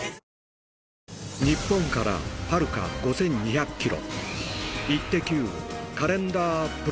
日本からはるか５２００キロ。